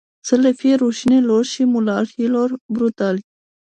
Să le fie rușine lor și mulahilor brutali.